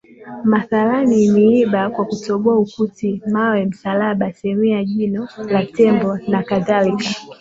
mathalani miiba kwa kutoboa ukuti mawe msalaba sehemu ya jino la tembo nakadhalika